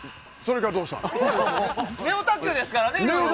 ネオ卓球ですからね。